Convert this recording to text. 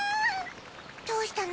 どうしたの？